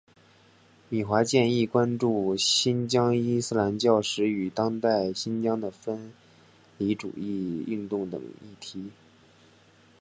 米华健亦关注新疆伊斯兰教史与当代新疆的分离主义运动等议题。